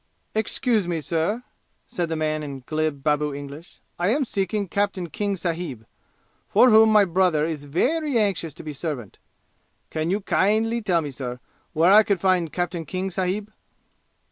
"Excuse me, sir," said the man in glib babu English. "I am seeking Captain King sahib, for whom my brother is veree anxious to be servant. Can you kindlee tell me, sir, where I could find Captain King sahib?"